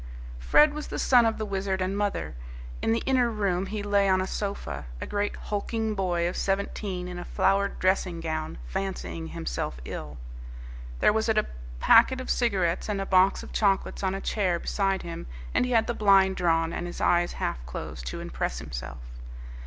Fred was the son of the Wizard and mother. In the inner room he lay on a sofa, a great hulking boy of seventeen in a flowered dressing gown, fancying himself ill. There was a packet of cigarettes and a box of chocolates on a chair beside him, and he had the blind drawn and his eyes half closed to impress himself.